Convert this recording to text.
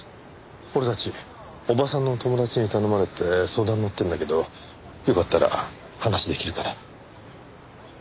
俺たち伯母さんの友達に頼まれて相談にのってるんだけどよかったら話できるかな？